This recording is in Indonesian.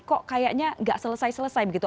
kok kayaknya nggak selesai selesai begitu